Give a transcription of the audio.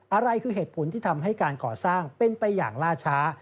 อะไรคือเหตุผลที่ทำให้การก่อสร้างเป็นไปอย่างล่าช้า